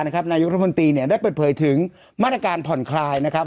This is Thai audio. นะครับนายุทธพนตรีเนี่ยได้เปิดเผยถึงมาตรการผ่อนคลายนะครับ